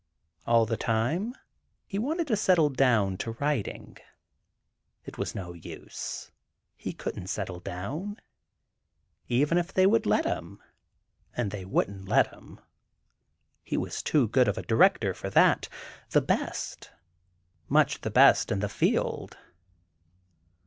All the time he wanted to settle down to writing. It was no use. He couldn't settle down, even if they would let him, and they wouldn't let him. He was too good a director for that—the best—much the best in the field.